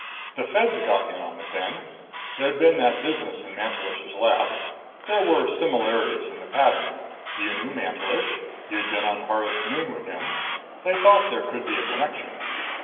"The Feds got in on it then. There'd been that business in Mantelish's lab. There were similarities in the pattern. You knew Mantelish. You'd been on Harvest Moon with him. They thought there could be a connection."